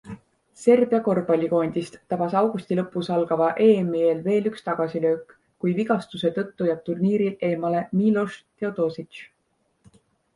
Serbia korvpallikoondist tabas augusti lõpus algava EMi eel veel üks tagasilöök, kui vigastuse tõttu jääb turniiril eemale Miloš Teodosic.